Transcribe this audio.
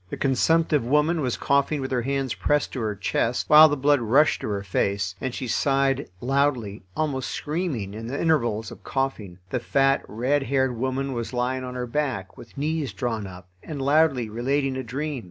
The consumptive woman was coughing with her hands pressed to her chest, while the blood rushed to her face, and she sighed loudly, almost screaming, in the intervals of coughing. The fat, red haired woman was lying on her back, with knees drawn up, and loudly relating a dream.